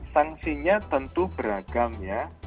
sanksinya tentu beragam ya